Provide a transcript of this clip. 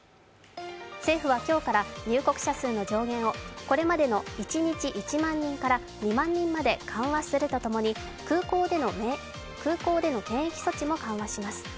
政府は今日から入国者数の上限をこれまでの一日１万人から２万人まで緩和するとともに、空港での検疫措置も緩和します。